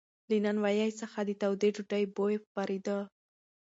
له نانوایۍ څخه د تودې ډوډۍ بوی خپرېده.